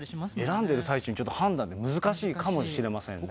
選んでる最中に判断って、難しいかもしれませんね。